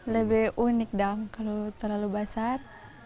lebih unik dong kalau terlalu besar